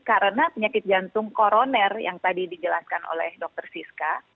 karena penyakit jantung koroner yang tadi dijelaskan oleh dr siska